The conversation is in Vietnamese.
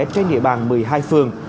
trên địa bàn một mươi hai phường